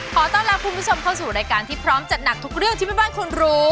ขอต้อนรับคุณผู้ชมเข้าสู่รายการที่พร้อมจัดหนักทุกเรื่องที่แม่บ้านคุณรู้